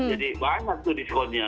jadi banyak tuh diskonnya